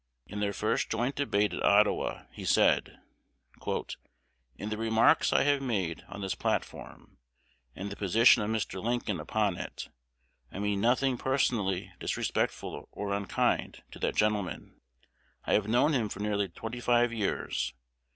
In their first joint debate at Ottawa, he said, "In the remarks I have made on this platform, and the position of Mr. Lincoln upon it, I mean nothing personally disrespectful or unkind to that gentleman. I have known him for nearly twenty five years.